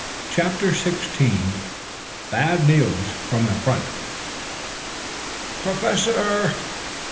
CHAPTER XVI BAD NEWS FROM THE FRONT "P R O OFESSOR!"